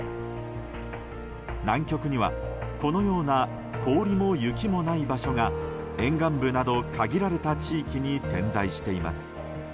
南極にはこのような氷も雪もない場所が沿岸部など限られた地域に点在しています。